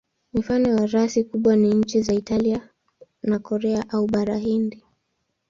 Mifano ya rasi kubwa ni nchi za Italia na Korea au Bara Hindi.